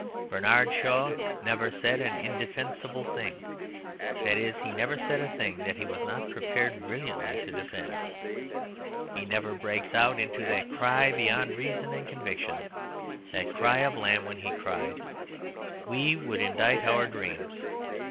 Bernard Shaw never said an indefensible thing; that is, he never said a thing that he was not prepared brilliantly to defend. He never breaks out into that cry beyond reason and conviction, that cry of Lamb when he cried, "We would indict our dreams!"